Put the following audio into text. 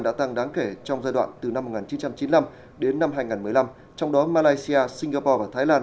đã tăng đáng kể trong giai đoạn từ năm một nghìn chín trăm chín mươi năm đến năm hai nghìn một mươi năm trong đó malaysia singapore và thái lan